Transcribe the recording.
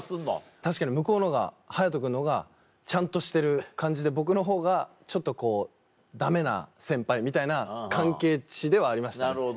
確かに向こうのほうが勇斗君のほうがちゃんとしてる感じで僕のほうがちょっとこうダメな先輩みたいな関係値ではありましたね。